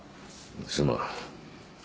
すまん。